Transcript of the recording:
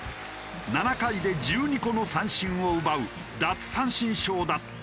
７回で１２個の三振を奪う「奪三振ショー」だった。